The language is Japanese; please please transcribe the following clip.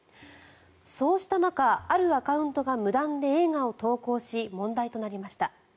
そうした中、あるアカウントが無断で映画を投稿し問題となりました。